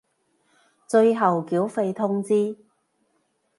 最後繳費通知